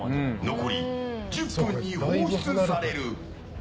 残り１０分に放出される。